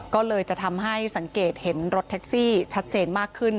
ก็เลยจะทำให้สังเกตเห็นรถแท็กซี่ชัดเจนมากขึ้น